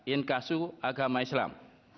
inkasu agama islam